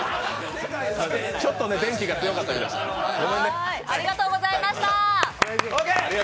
ちょっと電気が強かったごめんね。